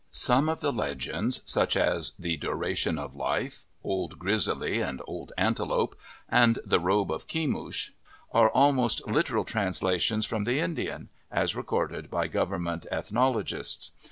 Some of the legends, such as the " Duration of Life," " Old Grizzly and Old Antelope," and the " Robe of Kemush ' are almost literal translations from the Indian, as recorded by government ethnologists.